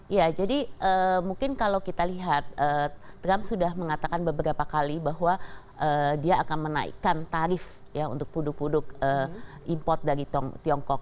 ya jadi mungkin kalau kita lihat trump sudah mengatakan beberapa kali bahwa dia akan menaikkan tarif ya untuk puduk puduk import dari tiongkok